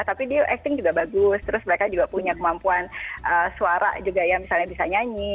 tapi dia acting juga bagus terus mereka juga punya kemampuan suara juga ya misalnya bisa nyanyi